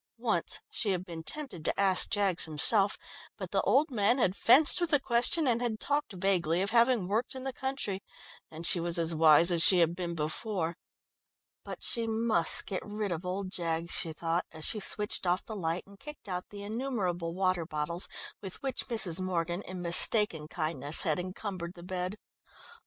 Once she had been tempted to ask Jaggs himself, but the old man had fenced with the question, and had talked vaguely of having worked in the country, and she was as wise as she had been before. But she must get rid of old Jaggs, she thought, as she switched off the light and kicked out the innumerable water bottles, with which Mrs. Morgan, in mistaken kindness, had encumbered the bed ...